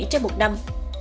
trên một năm